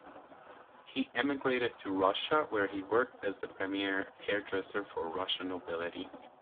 He emigrated to Russia, where he worked as the premier hairdresser for Russian nobility.